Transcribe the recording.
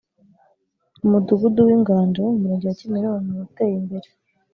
Umudugudu w’Inganji wo mu Murenge wa Kimironko wateye imbere